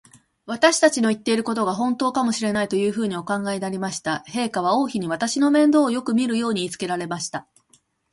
私たちの言ってることが、ほんとかもしれない、というふうにお考えになりました。陛下は王妃に、私の面倒をよくみるように言いつけられました。